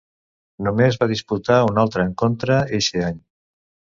Només va disputar un altre encontre eixe any.